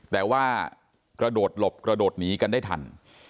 แต่ว่ากระโดดหลบกระโดดหนีกันได้ทัน